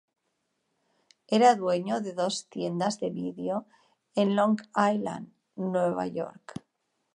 Era dueño de dos tiendas de video en Long Island, Nueva York.